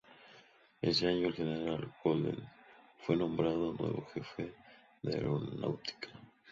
Ese año el General Goded fue nombrado nuevo jefe de Aeronáutica.